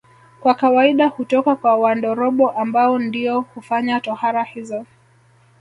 Kwa kawaida hutoka kwa Wandorobo ambao ndio hufanya tohara hizo